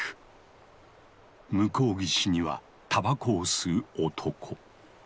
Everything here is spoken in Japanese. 向こう岸にはたばこを吸う男。